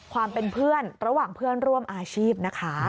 ความเป็นเพื่อนระหว่างเพื่อนร่วมอาชีพนะคะ